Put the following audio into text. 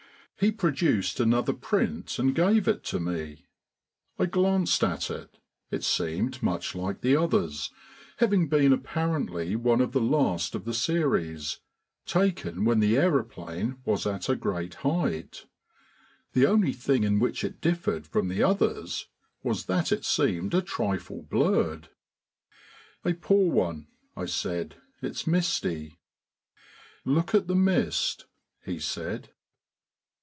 He produced another print and gave it to me. I glanced at it. It seemed much like the others, having been apparently one of the last of the series, taken when the aeroplane was at a great height. The only thing in which it differed from the others was that it seemed a trifle blurred. "A poor one," I said; "it's misty." "Look at the mist," he said.